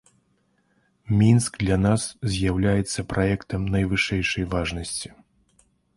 Мінск для нас з'яўляецца праектам найвышэйшай важнасці.